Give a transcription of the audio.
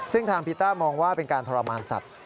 ซึ่งทางพีต้ามองว่าเป็นการทรมานสัตว์